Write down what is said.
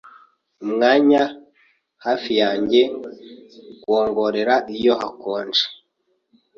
umwanya hafi yanjye wongorera iyo hakonje